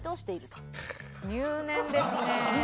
入念ですね。